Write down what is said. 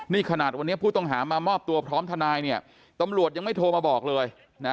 นี่ขนาดวันนี้ผู้ต้องหามามอบตัวพร้อมทนายเนี่ยตำรวจยังไม่โทรมาบอกเลยนะ